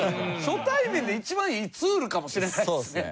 初対面で一番いいツールかもしれないですね。